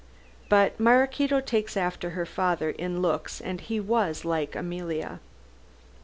But Maraquito takes after her father in looks and he was like Emilia."